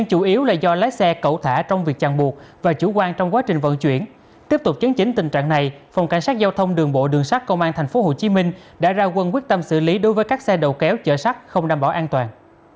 chiến chính tình trạng này phòng cảnh sát giao thông đường bộ đường sắt công an tp hcm đã ra quân quyết tâm xử lý đối với các xe đầu kéo chở sắt không đảm bảo an toàn